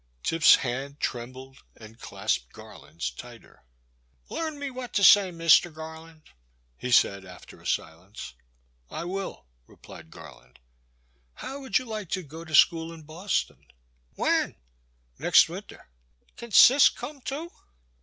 Tip's hand trembled and clasped Garland's tighter. Leam me what to say, Mister Gar land," he said after a silence. I will," replied Garland, how wotdd you like to go to school in Boston ?" *'When?" Next winter." Can Cis come too